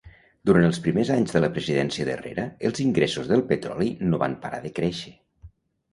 Durant els primers anys de la presidència d'Herrera, els ingressos del petroli no van parar de créixer.